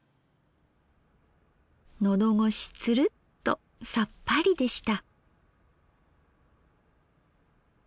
のどごしツルッとさっぱりでした。